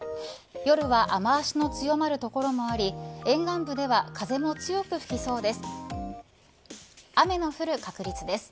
夜は雨脚の強まる所もあり沿岸部では風も強く吹きそうです。